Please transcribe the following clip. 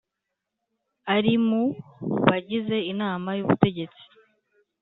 ari mu bagize Inama y Ubutegetsi